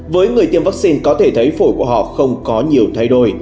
với người tiêm vaccine có thể thấy phổi của họ không có nhiều thay đổi